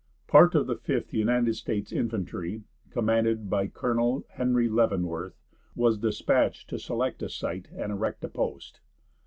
Part of the Fifth United States Infantry, commanded by Colonel Henry Leavenworth, was dispatched to select a site and erect a post.